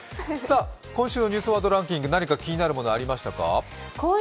今週の「ニュースワードランキング」、何か気になるものありましたか？